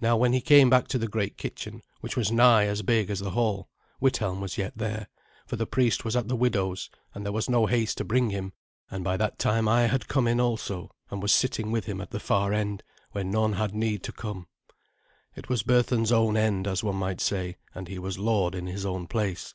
Now when he came back to the great kitchen, which was nigh as big as the hall, Withelm was yet there, for the priest was at the widow's, and there was no haste to bring him; and by that time I had come in also, and was sitting with him at the far end, where none had need to come. It was Berthun's own end, as one might say, and he was lord in his own place.